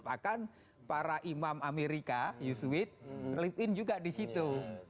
karena para imam amerika yusuit live in juga di situ